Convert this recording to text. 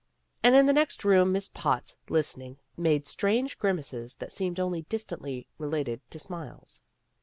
And in the next room Miss Potts, listening, made strange grimaces that seemed only distantly related to smiles.